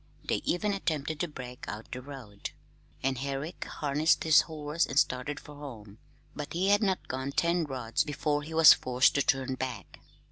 They even attempted to break out the road, and Herrick harnessed his horse and started for home; but he had not gone ten rods before he was forced to turn back.